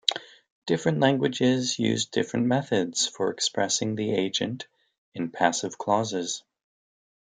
Different languages use different methods for expressing the agent in passive clauses.